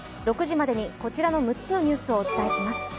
６時までにこちらの６つのニュースをお伝えします。